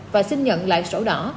và xin nhận lại sổ đỏ